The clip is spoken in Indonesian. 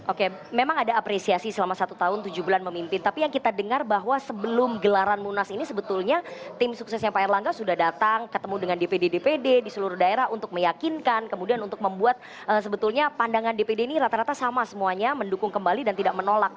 oke memang ada apresiasi selama satu tahun tujuh bulan memimpin tapi yang kita dengar bahwa sebelum gelaran munas ini sebetulnya tim suksesnya pak erlangga sudah datang ketemu dengan dpd dpd di seluruh daerah untuk meyakinkan kemudian untuk membuat sebetulnya pandangan dpd ini rata rata sama semuanya mendukung kembali dan tidak menolak